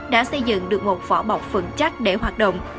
đã xây dựng được một vỏ bọc vững chắc để hoạt động